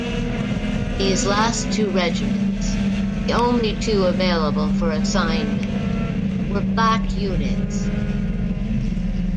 These last two regiments, the only two available for assignment, were black units.